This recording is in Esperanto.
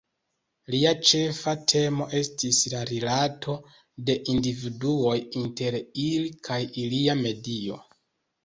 Lia ĉefa temo estis la rilato de individuoj inter ili kaj ilia medio.